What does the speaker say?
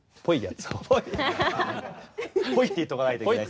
「っぽい」って言っとかないといけない。